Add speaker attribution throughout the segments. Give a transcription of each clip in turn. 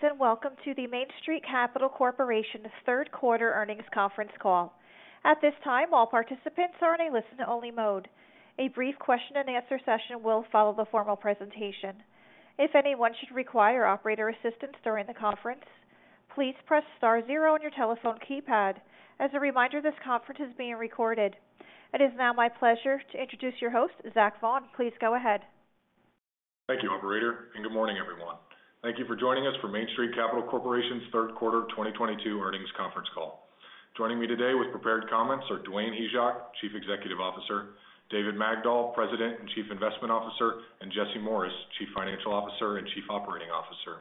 Speaker 1: Greetings, and welcome to the Main Street Capital Corporation's third quarter earnings conference call. At this time, all participants are in a listen-only mode. A brief question-and-answer session will follow the formal presentation. If anyone should require operator assistance during the conference, please press star zero on your telephone keypad. As a reminder, this conference is being recorded. It is now my pleasure to introduce your host, Zach Vaughan. Please go ahead.
Speaker 2: Thank you, operator, and good morning, everyone. Thank you for joining us for Main Street Capital Corporation's third quarter 2022 earnings conference call. Joining me today with prepared comments are Dwayne Hyzak, Chief Executive Officer, David Magdol, President and Chief Investment Officer, and Jesse Morris, Chief Financial Officer and Chief Operating Officer.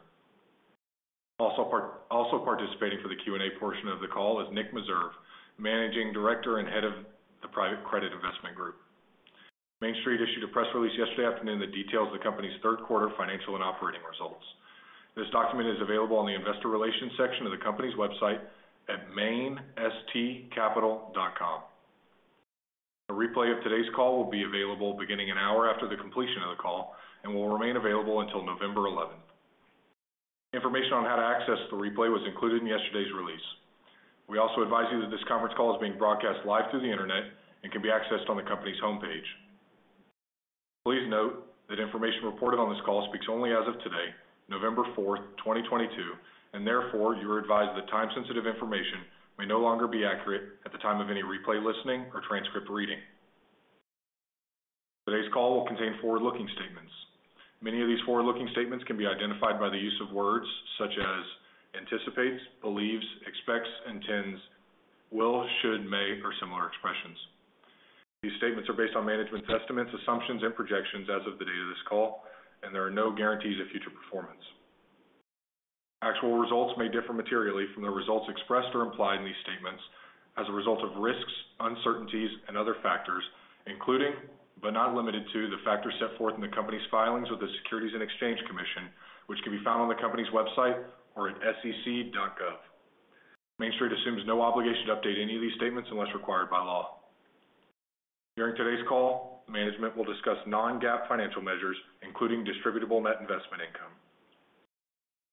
Speaker 2: Also participating for the Q&A portion of the call is Nick Meserve, Managing Director and Head of the Private Credit Investment Group. Main Street issued a press release yesterday afternoon that details the company's third quarter financial and operating results. This document is available on the investor relations section of the company's website at mainstcapital.com. A replay of today's call will be available beginning an hour after the completion of the call and will remain available until November 11th. Information on how to access the replay was included in yesterday's release. We also advise you that this conference call is being broadcast live through the internet and can be accessed on the company's homepage. Please note that information reported on this call speaks only as of today, November 4th, 2022, and therefore you are advised that time-sensitive information may no longer be accurate at the time of any replay listening or transcript reading. Today's call will contain forward-looking statements. Many of these forward-looking statements can be identified by the use of words such as anticipates, believes, expects, intends, will, should, may, or similar expressions. These statements are based on management's estimates, assumptions, and projections as of the date of this call, and there are no guarantees of future performance. Actual results may differ materially from the results expressed or implied in these statements as a result of risks, uncertainties, and other factors, including, but not limited to, the factors set forth in the company's filings with the Securities and Exchange Commission, which can be found on the company's website or at sec.gov. Main Street assumes no obligation to update any of these statements unless required by law. During today's call, management will discuss non-GAAP financial measures, including distributable net investment income.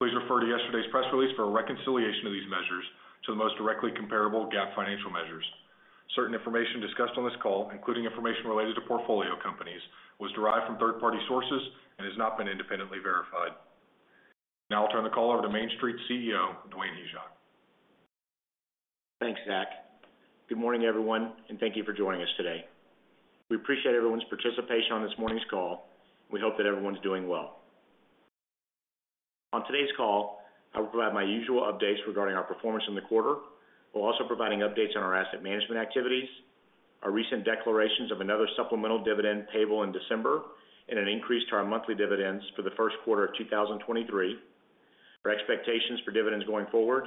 Speaker 2: Please refer to yesterday's press release for a reconciliation of these measures to the most directly comparable GAAP financial measures. Certain information discussed on this call, including information related to portfolio companies, was derived from third-party sources and has not been independently verified. Now I'll turn the call over to Main Street's CEO, Dwayne Hyzak.
Speaker 3: Thanks, Zach. Good morning, everyone, and thank you for joining us today. We appreciate everyone's participation on this morning's call. We hope that everyone's doing well. On today's call, I will provide my usual updates regarding our performance in the quarter, while also providing updates on our asset management activities, our recent declarations of another supplemental dividend payable in December, and an increase to our monthly dividends for the first quarter of 2023, our expectations for dividends going forward,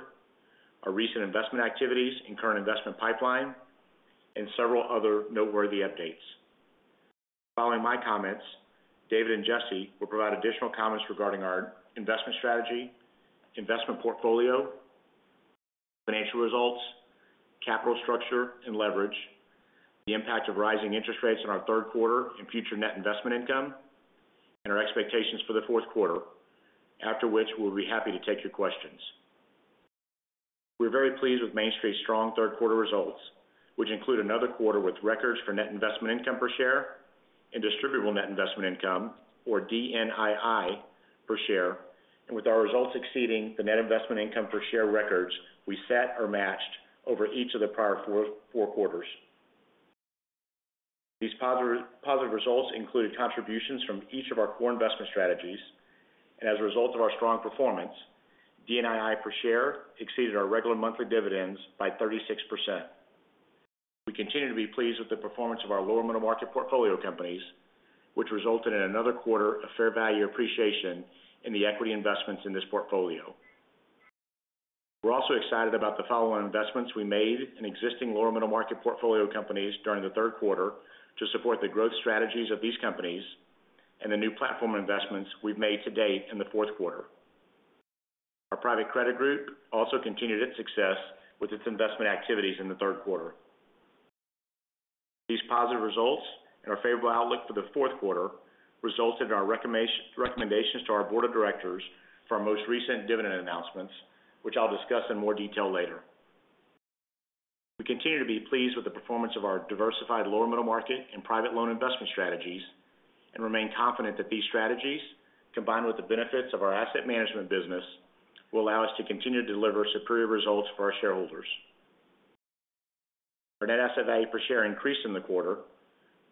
Speaker 3: our recent investment activities and current investment pipeline, and several other noteworthy updates. Following my comments, David and Jesse will provide additional comments regarding our investment strategy, investment portfolio, financial results, capital structure and leverage, the impact of rising interest rates on our third quarter and future net investment income, and our expectations for the fourth quarter, after which we'll be happy to take your questions. We're very pleased with Main Street's strong third quarter results, which include another quarter with records for net investment income per share and distributable net investment income, or DNII, per share, and with our results exceeding the net investment income per share records we set or matched over each of the prior four quarters. These positive results included contributions from each of our core investment strategies. As a result of our strong performance, DNII per share exceeded our regular monthly dividends by 36%. We continue to be pleased with the performance of our lower middle market portfolio companies, which resulted in another quarter of fair value appreciation in the equity investments in this portfolio. We're also excited about the follow-on investments we made in existing lower middle market portfolio companies during the third quarter to support the growth strategies of these companies and the new platform investments we've made to date in the fourth quarter. Our private credit group also continued its success with its investment activities in the third quarter. These positive results and our favorable outlook for the fourth quarter resulted in our recommendations to our board of directors for our most recent dividend announcements, which I'll discuss in more detail later. We continue to be pleased with the performance of our diversified lower middle market and private loan investment strategies and remain confident that these strategies, combined with the benefits of our asset management business, will allow us to continue to deliver superior results for our shareholders. Our net asset value per share increased in the quarter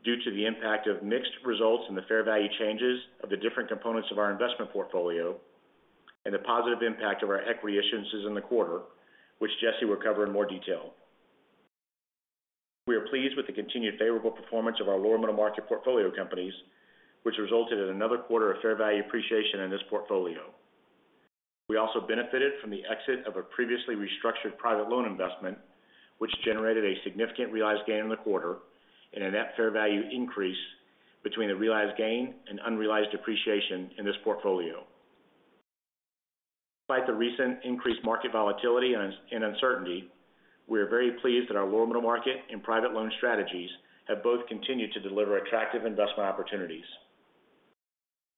Speaker 3: due to the impact of mixed results in the fair value changes of the different components of our investment portfolio and the positive impact of our equity issuances in the quarter, which Jesse will cover in more detail. We are pleased with the continued favorable performance of our lower middle market portfolio companies, which resulted in another quarter of fair value appreciation in this portfolio. We also benefited from the exit of a previously restructured private loan investment, which generated a significant realized gain in the quarter and a net fair value increase between the realized gain and unrealized appreciation in this portfolio. Despite the recent increased market volatility and uncertainty. We are very pleased that our lower middle market and private loan strategies have both continued to deliver attractive investment opportunities.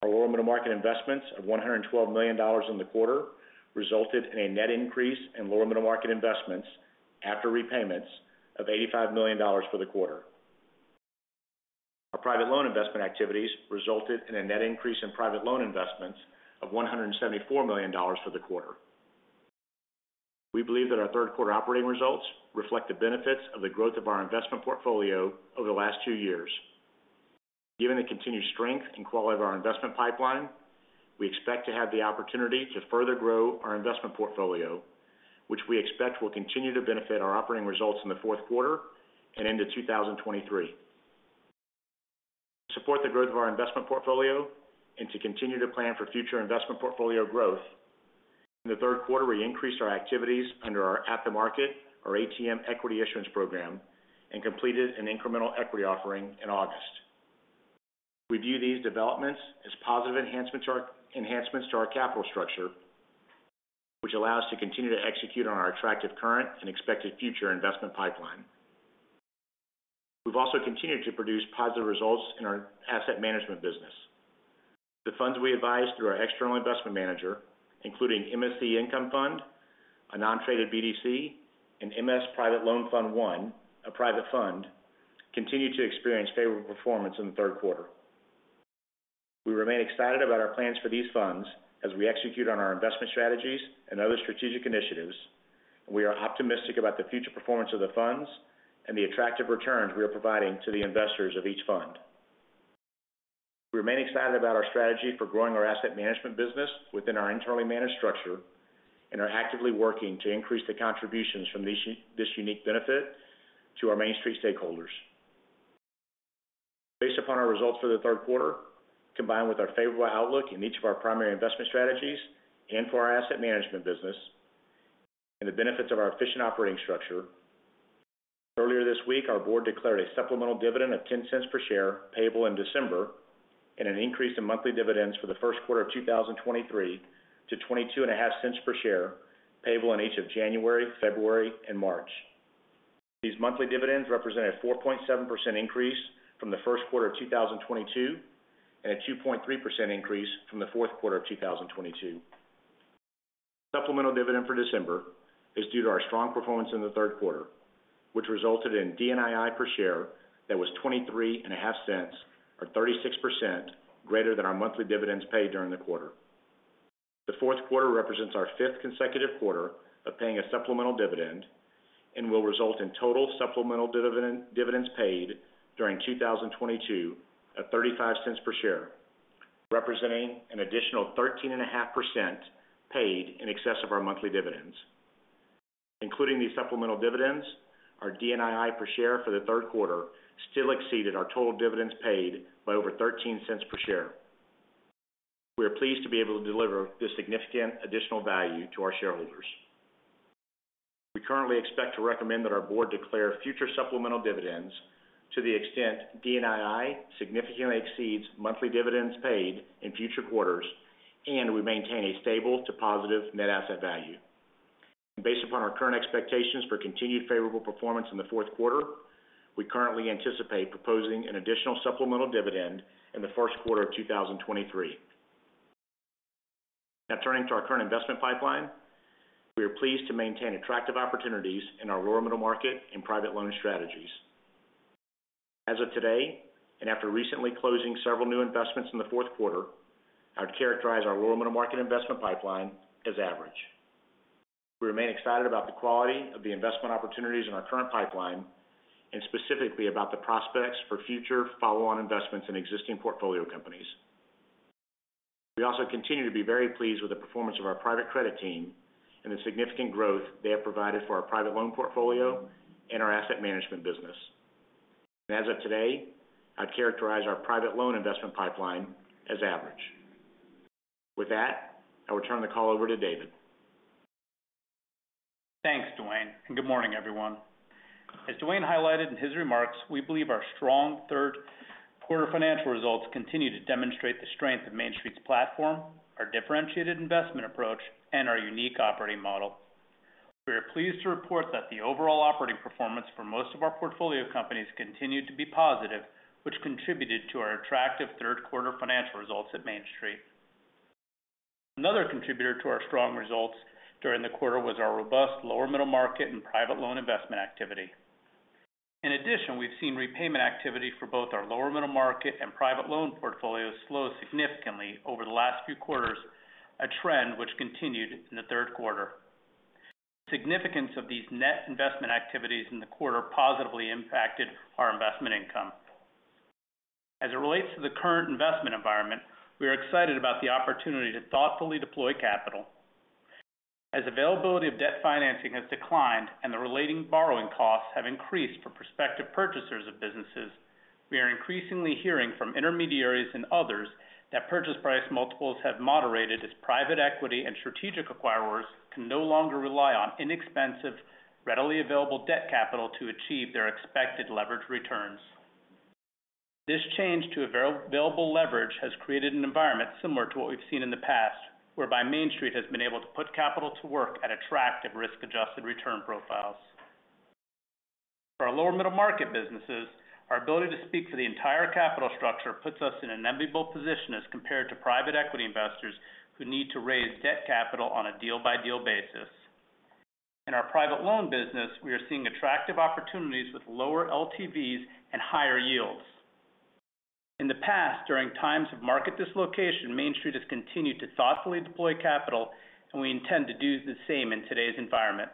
Speaker 3: Our lower middle market investments of $112 million in the quarter resulted in a net increase in lower middle market investments after repayments of $85 million for the quarter. Our private loan investment activities resulted in a net increase in private loan investments of $174 million for the quarter. We believe that our third quarter operating results reflect the benefits of the growth of our investment portfolio over the last two years. Given the continued strength and quality of our investment pipeline, we expect to have the opportunity to further grow our investment portfolio, which we expect will continue to benefit our operating results in the fourth quarter and into 2023. To support the growth of our investment portfolio and to continue to plan for future investment portfolio growth, in the third quarter, we increased our activities under our at the market or ATM equity issuance program and completed an incremental equity offering in August. We view these developments as positive enhancements to our capital structure, which allow us to continue to execute on our attractive current and expected future investment pipeline. We've also continued to produce positive results in our asset management business. The funds we advise through our external investment manager, including MSC Income Fund, a non-traded BDC, and MS Private Loan Fund I, a private fund, continue to experience favorable performance in the third quarter. We remain excited about our plans for these funds as we execute on our investment strategies and other strategic initiatives. We are optimistic about the future performance of the funds and the attractive returns we are providing to the investors of each fund. We remain excited about our strategy for growing our asset management business within our internally managed structure and are actively working to increase the contributions from this unique benefit to our Main Street Capital stakeholders. Based upon our results for the third quarter, combined with our favorable outlook in each of our primary investment strategies and for our asset management business, and the benefits of our efficient operating structure, earlier this week, our board declared a supplemental dividend of $0.10 per share payable in December, and an increase in monthly dividends for the first quarter of 2023 to $0.225 per share, payable in each of January, February, and March. These monthly dividends represent a 4.7% increase from the first quarter of 2022, and a 2.3% increase from the fourth quarter of 2022. Supplemental dividend for December is due to our strong performance in the third quarter, which resulted in DNII per share that was $0.235, or 36% greater than our monthly dividends paid during the quarter. The fourth quarter represents our fifth consecutive quarter of paying a supplemental dividend and will result in total supplemental dividend, dividends paid during 2022 of $0.35 per share, representing an additional 13.5% paid in excess of our monthly dividends. Including these supplemental dividends, our DNII per share for the third quarter still exceeded our total dividends paid by over $0.13 per share. We are pleased to be able to deliver this significant additional value to our shareholders. We currently expect to recommend that our board declare future supplemental dividends to the extent DNII significantly exceeds monthly dividends paid in future quarters, and we maintain a stable to positive net asset value. Based upon our current expectations for continued favorable performance in the fourth quarter, we currently anticipate proposing an additional supplemental dividend in the first quarter of 2023. Now turning to our current investment pipeline. We are pleased to maintain attractive opportunities in our lower middle market and private loan strategies. As of today, and after recently closing several new investments in the fourth quarter, I'd characterize our lower middle market investment pipeline as average. We remain excited about the quality of the investment opportunities in our current pipeline and specifically about the prospects for future follow-on investments in existing portfolio companies. We also continue to be very pleased with the performance of our private credit team and the significant growth they have provided for our private loan portfolio and our asset management business. As of today, I'd characterize our private loan investment pipeline as average. With that, I will turn the call over to David.
Speaker 4: Thanks, Dwayne, and good morning, everyone. As Dwayne highlighted in his remarks, we believe our strong third quarter financial results continue to demonstrate the strength of Main Street's platform, our differentiated investment approach, and our unique operating model. We are pleased to report that the overall operating performance for most of our portfolio companies continued to be positive, which contributed to our attractive third quarter financial results at Main Street. Another contributor to our strong results during the quarter was our robust lower middle market and private loan investment activity. In addition, we've seen repayment activity for both our lower middle market and private loan portfolios slow significantly over the last few quarters, a trend which continued in the third quarter. Significance of these net investment activities in the quarter positively impacted our investment income. As it relates to the current investment environment, we are excited about the opportunity to thoughtfully deploy capital. As availability of debt financing has declined and the relating borrowing costs have increased for prospective purchasers of businesses, we are increasingly hearing from intermediaries and others that purchase price multiples have moderated as private equity and strategic acquirers can no longer rely on inexpensive, readily available debt capital to achieve their expected leverage returns. This change to available leverage has created an environment similar to what we've seen in the past, whereby Main Street has been able to put capital to work at attractive risk-adjusted return profiles. For our lower middle market businesses, our ability to speak for the entire capital structure puts us in an enviable position as compared to private equity investors who need to raise debt capital on a deal-by-deal basis. In our private loan business, we are seeing attractive opportunities with lower LTVs and higher yields. In the past, during times of market dislocation, Main Street has continued to thoughtfully deploy capital, and we intend to do the same in today's environment.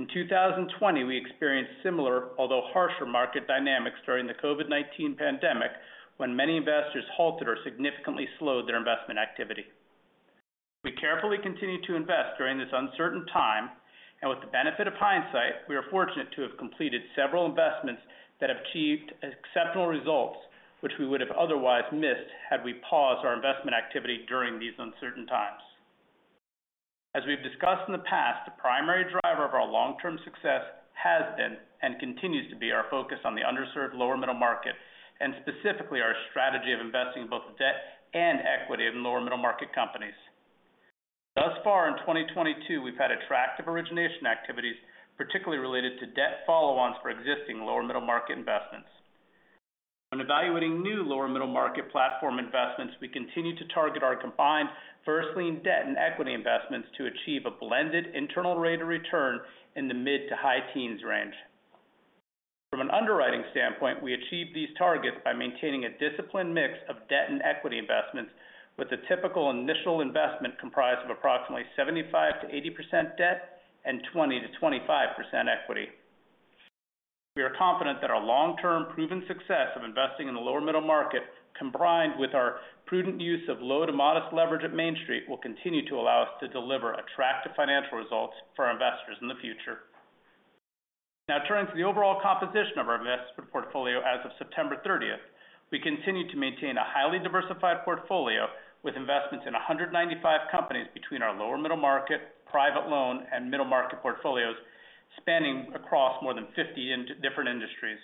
Speaker 4: In 2020, we experienced similar, although harsher market dynamics during the COVID-19 pandemic, when many investors halted or significantly slowed their investment activity. We carefully continued to invest during this uncertain time, and with the benefit of hindsight, we are fortunate to have completed several investments that achieved exceptional results, which we would have otherwise missed had we paused our investment activity during these uncertain times. As we've discussed in the past, the primary driver of our long-term success has been and continues to be our focus on the underserved lower middle market, and specifically our strategy of investing both debt and equity in lower middle market companies. Thus far in 2022, we've had attractive origination activities, particularly related to debt follow-ons for existing lower middle market investments. When evaluating new lower middle market platform investments, we continue to target our combined first lien debt and equity investments to achieve a blended internal rate of return in the mid to high teens range. From an underwriting standpoint, we achieve these targets by maintaining a disciplined mix of debt and equity investments with the typical initial investment comprised of approximately 75%-80% debt and 20%-25% equity. We are confident that our long-term proven success of investing in the lower middle market, combined with our prudent use of low to modest leverage at Main Street, will continue to allow us to deliver attractive financial results for our investors in the future. Now turning to the overall composition of our investment portfolio as of September 30th. We continue to maintain a highly diversified portfolio with investments in 195 companies between our lower middle market, private loan, and middle market portfolios spanning across more than 50 different industries.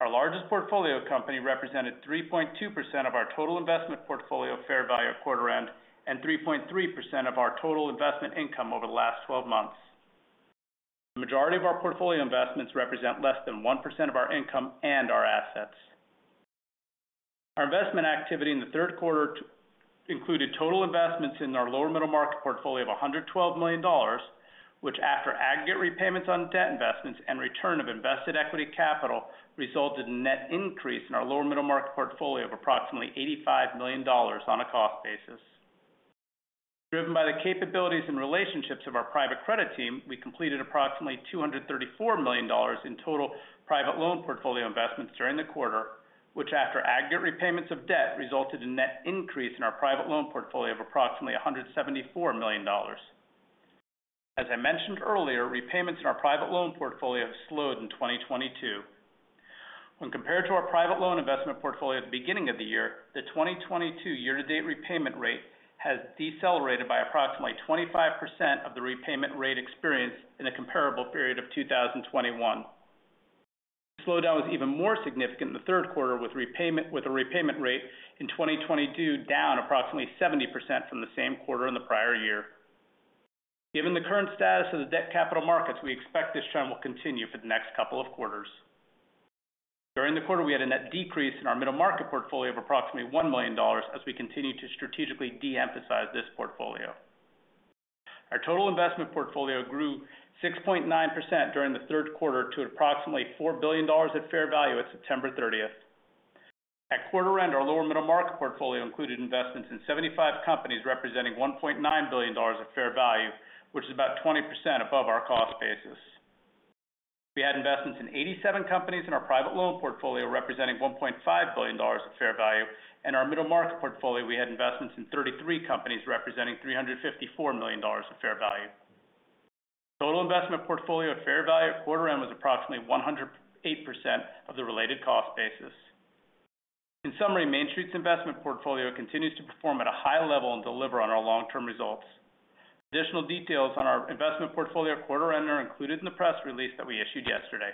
Speaker 4: Our largest portfolio company represented 3.2% of our total investment portfolio fair value at quarter end, and 3.3% of our total investment income over the last 12 months. The majority of our portfolio investments represent less than 1% of our income and our assets. Our investment activity in the third quarter included total investments in our lower middle market portfolio of $112 million, which after aggregate repayments on debt investments and return of invested equity capital, resulted in net increase in our lower middle market portfolio of approximately $85 million on a cost basis. Driven by the capabilities and relationships of our private credit team, we completed approximately $234 million in total private loan portfolio investments during the quarter, which after aggregate repayments of debt, resulted in net increase in our private loan portfolio of approximately $174 million. As I mentioned earlier, repayments in our private loan portfolio have slowed in 2022. When compared to our private loan investment portfolio at the beginning of the year, the 2022 year-to-date repayment rate has decelerated by approximately 25% of the repayment rate experienced in the comparable period of 2021. The slowdown was even more significant in the third quarter, with a repayment rate in 2022 down approximately 70% from the same quarter in the prior year. Given the current status of the debt capital markets, we expect this trend will continue for the next couple of quarters. During the quarter, we had a net decrease in our middle market portfolio of approximately $1 million as we continue to strategically de-emphasize this portfolio. Our total investment portfolio grew 6.9% during the third quarter to approximately $4 billion at fair value at September 30th. At quarter end, our lower middle market portfolio included investments in 75 companies, representing $1.9 billion at fair value, which is about 20% above our cost basis. We had investments in 87 companies in our private loan portfolio, representing $1.5 billion at fair value. In our middle market portfolio, we had investments in 33 companies representing $354 million at fair value. Total investment portfolio at fair value at quarter end was approximately 108% of the related cost basis. In summary, Main Street Capital's investment portfolio continues to perform at a high level and deliver on our long-term results. Additional details on our investment portfolio at quarter end are included in the press release that we issued yesterday.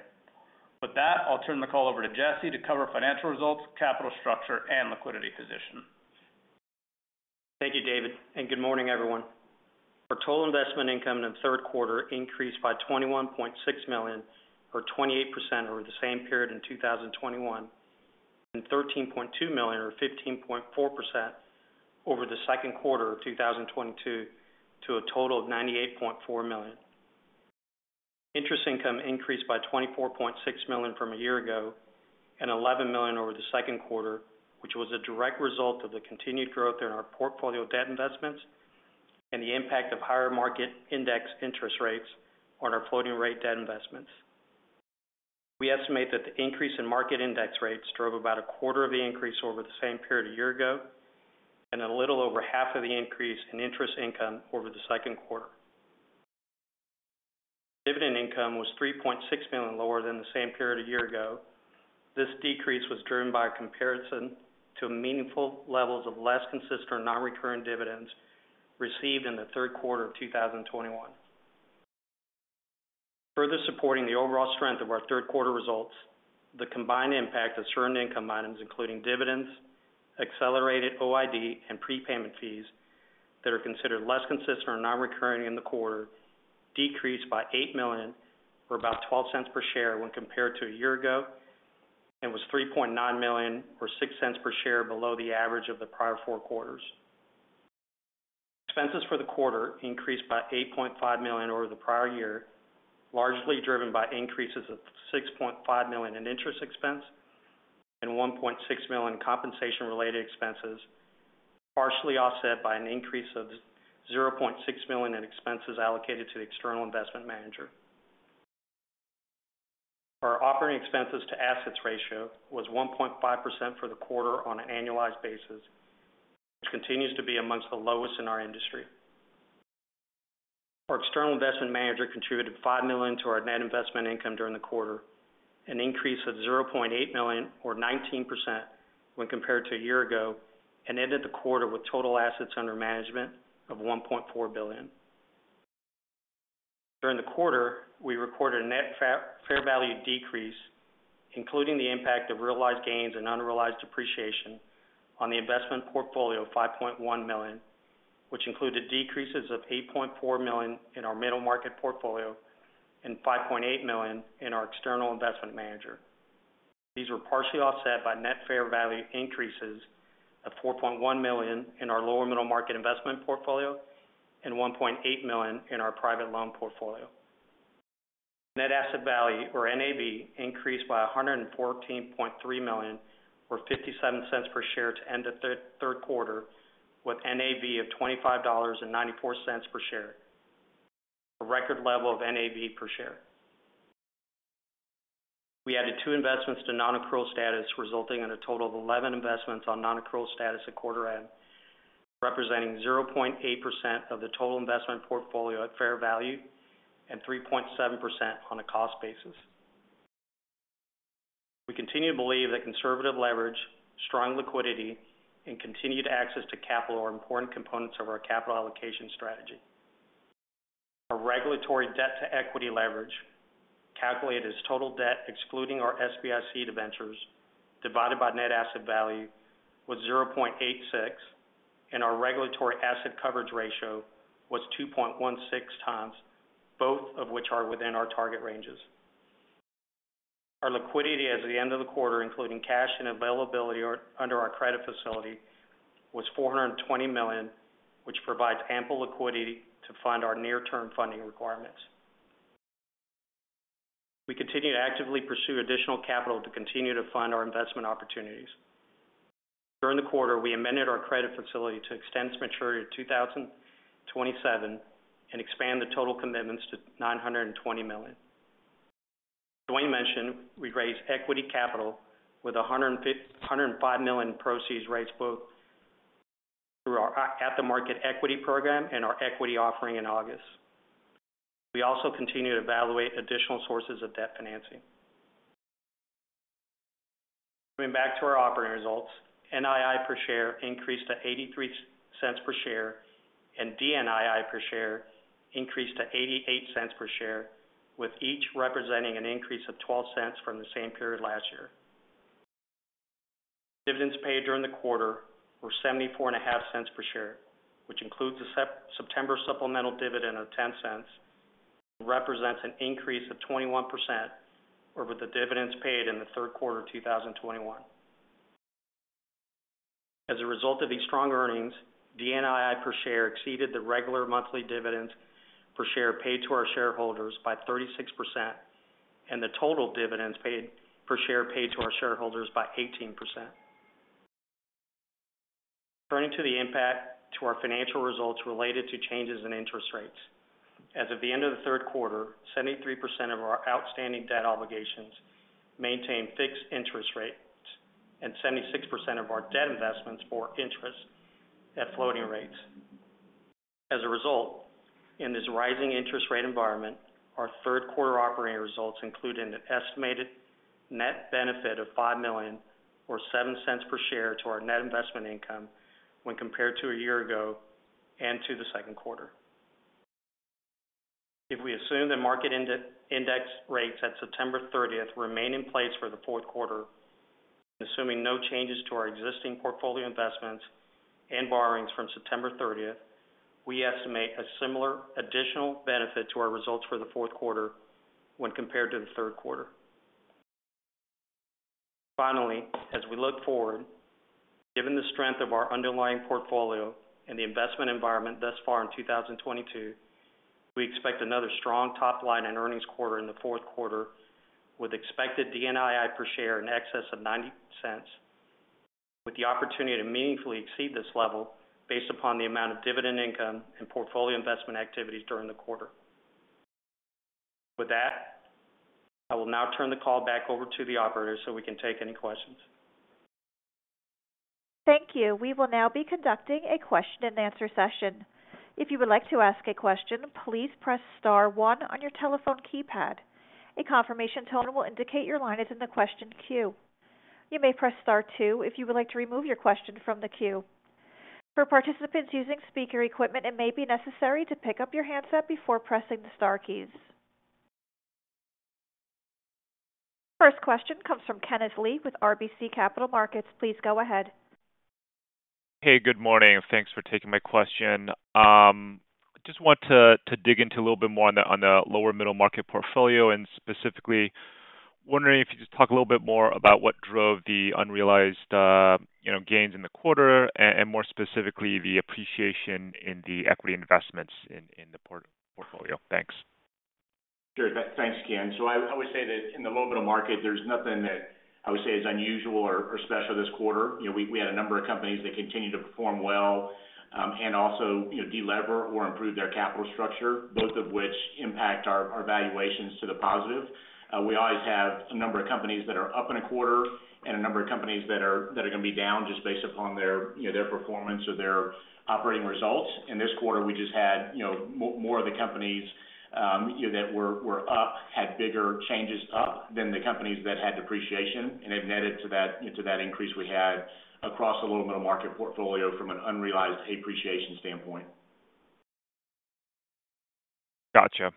Speaker 4: With that, I'll turn the call over to Jesse to cover financial results, capital structure, and liquidity position.
Speaker 5: Thank you, David, and good morning, everyone. Our total investment income in the third quarter increased by $21.6 million or 28% over the same period in 2021 and $13.2 million or 15.4% over the second quarter of 2022 to a total of $98.4 million. Interest income increased by $24.6 million from a year ago and $11 million over the second quarter, which was a direct result of the continued growth in our portfolio debt investments and the impact of higher market index interest rates on our floating rate debt investments. We estimate that the increase in market index rates drove about 1/4 of the increase over the same period a year ago and a little over half of the increase in interest income over the second quarter. Dividend income was $3.6 million lower than the same period a year ago. This decrease was driven by comparison to meaningful levels of less consistent or non-recurring dividends received in the third quarter of 2021. Further supporting the overall strength of our third quarter results, the combined impact of certain income items, including dividends, accelerated OID, and prepayment fees that are considered less consistent or non-recurring in the quarter decreased by $8 million, or about $0.12 per share when compared to a year ago, and was $3.9 million, or $0.06 per share below the average of the prior four quarters. Expenses for the quarter increased by $8.5 million over the prior year, largely driven by increases of $6.5 million in interest expense and $1.6 million in compensation-related expenses, partially offset by an increase of $0.6 million in expenses allocated to the external investment manager. Our operating expenses to assets ratio was 1.5% for the quarter on an annualized basis, which continues to be amongst the lowest in our industry. Our external investment manager contributed $5 million to our net investment income during the quarter, an increase of $0.8 million or 19% when compared to a year ago, and ended the quarter with total assets under management of $1.4 billion. During the quarter, we reported a net fair value decrease, including the impact of realized gains and unrealized depreciation on the investment portfolio of $5.1 million, which included decreases of $8.4 million in our middle market portfolio and $5.8 million in our external investment manager. These were partially offset by net fair value increases of $4.1 million in our lower middle market investment portfolio and $1.8 million in our private loan portfolio. Net asset value, or NAV, increased by $114.3 million, or $0.57 per share to end the third quarter with NAV of $25.94 per share. A record level of NAV per share. We added two investments to non-accrual status, resulting in a total of 11 investments on non-accrual status at quarter end, representing 0.8% of the total investment portfolio at fair value and 3.7% on a cost basis. We continue to believe that conservative leverage, strong liquidity, and continued access to capital are important components of our capital allocation strategy. Our regulatory debt to equity leverage, calculated as total debt excluding our SBIC debentures divided by net asset value, was 0.86, and our regulatory asset coverage ratio was 2.16x, both of which are within our target ranges. Our liquidity as of the end of the quarter, including cash and available under our credit facility, was $420 million, which provides ample liquidity to fund our near-term funding requirements. We continue to actively pursue additional capital to continue to fund our investment opportunities. During the quarter, we amended our credit facility to extend its maturity to 2027 and expand the total commitments to $920 million. As Dwayne mentioned, we raised equity capital with $105 million in proceeds raised both through our at the market equity program and our equity offering in August. We also continue to evaluate additional sources of debt financing. Coming back to our operating results, NII per share increased to $0.83 per share and DNII per share increased to $0.88 per share, with each representing an increase of $0.12 from the same period last year. Dividends paid during the quarter were $0.745 per share, which includes the September supplemental dividend of $0.10 and represents an increase of 21% over the dividends paid in the third quarter of 2021. As a result of these strong earnings, DNII per share exceeded the regular monthly dividends per share paid to our shareholders by 36% and the total dividends paid per share paid to our shareholders by 18%. Turning to the impact to our financial results related to changes in interest rates. As of the end of the third quarter, 73% of our outstanding debt obligations maintain fixed interest rates and 76% of our debt investments bore interest at floating rates. As a result, in this rising interest rate environment, our third quarter operating results include an estimated net benefit of $5 million or $0.07 per share to our net investment income when compared to a year ago and to the second quarter. If we assume that market index rates at September 30th remain in place for the fourth quarter, and assuming no changes to our existing portfolio investments and borrowings from September 30th, we estimate a similar additional benefit to our results for the fourth quarter when compared to the third quarter. Finally, as we look forward, given the strength of our underlying portfolio and the investment environment thus far in 2022, we expect another strong top line in earnings quarter in the fourth quarter with expected DNII per share in excess of $0.90, with the opportunity to meaningfully exceed this level based upon the amount of dividend income and portfolio investment activities during the quarter. With that, I will now turn the call back over to the operator, so we can take any questions.
Speaker 1: Thank you. We will now be conducting a question and answer session. If you would like to ask a question, please press star one on your telephone keypad. A confirmation tone will indicate your line is in the question queue. You may press star two if you would like to remove your question from the queue. For participants using speaker equipment, it may be necessary to pick up your handset before pressing the star keys. First question comes from Kenneth Lee with RBC Capital Markets. Please go ahead.
Speaker 6: Hey, good morning and thanks for taking my question. Just want to dig into a little bit more on the lower middle market portfolio, and specifically wondering if you could talk a little bit more about what drove the unrealized, you know, gains in the quarter and more specifically, the appreciation in the equity investments in the portfolio. Thanks.
Speaker 3: Sure. Thanks, Ken. I would say that in the lower middle market, there's nothing that I would say is unusual or special this quarter. You know, we had a number of companies that continue to perform well, and also, you know, de-lever or improve their capital structure, both of which impact our valuations to the positive. We always have a number of companies that are up in a quarter, and a number of companies that are gonna be down just based upon their, you know, their performance or their operating results. This quarter, we just had, you know, more of the companies, you know, that were up, had bigger changes up than the companies that had depreciation. It netted to that, you know, to that increase we had across the lower middle market portfolio from an unrealized appreciation standpoint.
Speaker 6: Gotcha.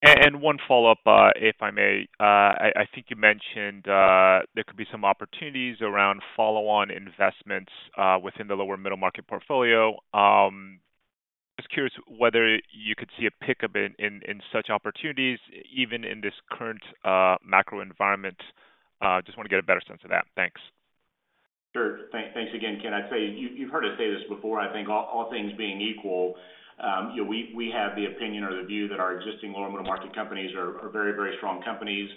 Speaker 6: One follow-up, if I may. I think you mentioned there could be some opportunities around follow-on investments within the lower middle market portfolio. Just curious whether you could see a pickup in such opportunities even in this current macro environment. Just wanna get a better sense of that. Thanks.
Speaker 3: Sure. Thanks again, Ken. I'd say you've heard us say this before. I think all things being equal, you know, we have the opinion or the view that our existing lower middle market companies are very strong companies.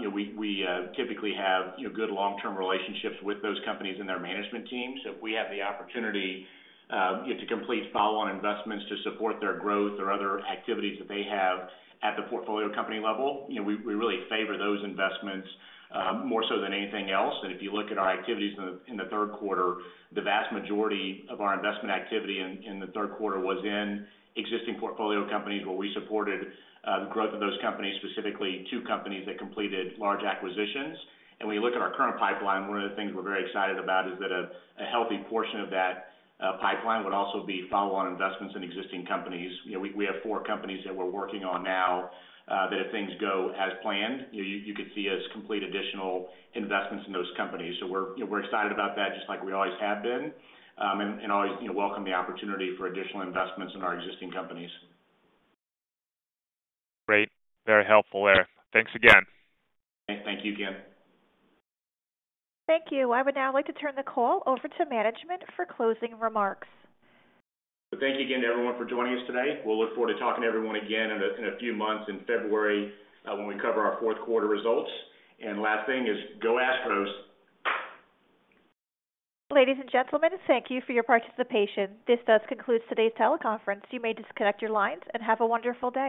Speaker 3: You know, we typically have good long-term relationships with those companies and their management teams. If we have the opportunity, you know, to complete follow-on investments to support their growth or other activities that they have at the portfolio company level, you know, we really favor those investments more so than anything else. If you look at our activities in the third quarter, the vast majority of our investment activity in the third quarter was in existing portfolio companies where we supported the growth of those companies, specifically two companies that completed large acquisitions. When you look at our current pipeline, one of the things we're very excited about is that a healthy portion of that pipeline would also be follow-on investments in existing companies. You know, we have four companies that we're working on now, that if things go as planned, you know, you could see us complete additional investments in those companies. You know, we're excited about that just like we always have been, and you know, always welcome the opportunity for additional investments in our existing companies.
Speaker 6: Great. Very helpful there. Thanks again.
Speaker 3: Thank you, Ken.
Speaker 1: Thank you. I would now like to turn the call over to management for closing remarks.
Speaker 3: Thank you again to everyone for joining us today. We'll look forward to talking to everyone again in a few months in February, when we cover our fourth quarter results. Last thing is, go Astros.
Speaker 1: Ladies and gentlemen, thank you for your participation. This does conclude today's teleconference. You may disconnect your lines and have a wonderful day.